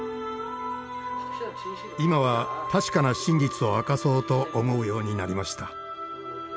今は確かな真実を明かそうと思うようになりました。